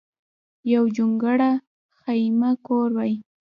یو جونګړه ځما کور وای